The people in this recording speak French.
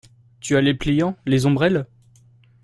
Tu as les pliants, les ombrelles ?